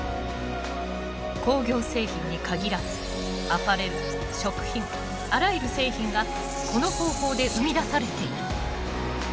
工業製品に限らずアパレル食品あらゆる製品がこの方法で生み出されている。